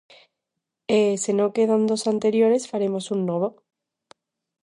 E, se non quedan dos anteriores, faremos un novo.